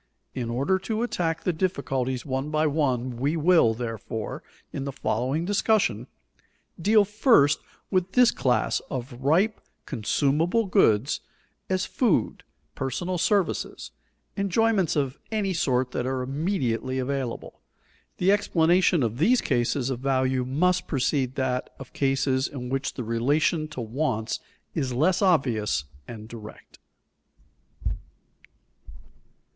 In order to attack the difficulties one by one we will, therefore, in the following discussion, deal first with this class of ripe, consumable goods, as food, personal services, enjoyments of any sort that are immediately available. The explanation of these cases of value must precede that of cases in which the relation to wants is less obvious and direct.